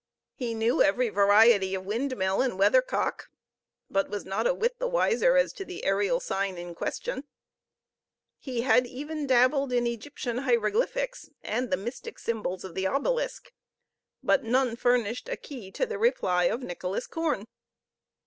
He knew ever variety of windmill and weathercock, but was not a whit the wiser as to the aerial sign in question. He had even dabbled in Egyptian hieroglyphics, and the mystic symbols of the obelisk, but none furnished a key to the reply of Nicholas Koorn.